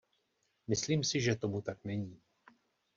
Myslím si, že tomu tak není.